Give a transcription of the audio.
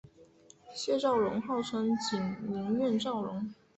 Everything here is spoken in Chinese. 谢昭容号称景宁园昭容。